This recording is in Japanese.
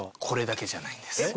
これだけじゃないんです。